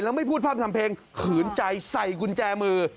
แล้วไม่พูดพร่ำทำเพลงขืนใจใส่กุญแจมือ